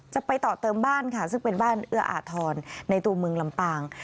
จะไปต่อเติมบ้านค่ะซึ่งเป็นบ้านเอื้ออาทรในตัวเมืองลำปาง